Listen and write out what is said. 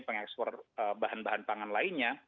pengekspor bahan bahan pangan lainnya